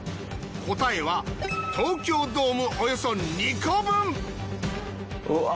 答えは東京ドームおよそ２個分うわ